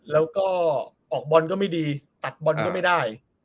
แล้วก็ออกบอลก็ไม่ดีตัดบอลก็ไม่ได้